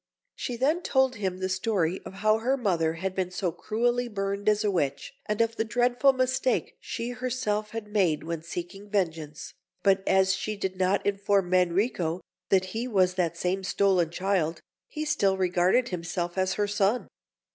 She then told him the story of how her mother had been so cruelly burned as a witch, and of the dreadful mistake she herself had made when seeking vengeance; but as she did not inform Manrico that he was that same stolen child, he still regarded himself as her son.